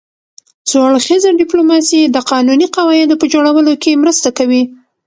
څو اړخیزه ډیپلوماسي د قانوني قواعدو په جوړولو کې مرسته کوي